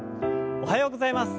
おはようございます。